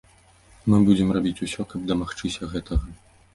Мы будзем рабіць усё, каб дамагчыся гэтага.